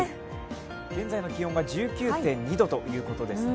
現在の気温が１９．２度ということですね。